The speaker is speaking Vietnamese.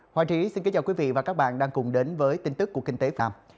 hoàng trí xin kính chào quý vị và các bạn đang cùng đến với tin tức của kinh tế phạm